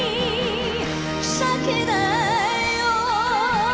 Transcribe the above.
酒だよ